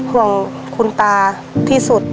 ห่วงคุณตาที่สุด